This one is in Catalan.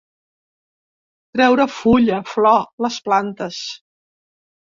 Treure fulla, flor, les plantes.